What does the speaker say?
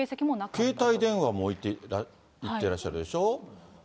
携帯電話も置いていってらっしゃるでしょ。